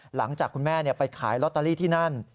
หลังจากคุณแม่ไปขายลอตเตอรี่ที่นั่น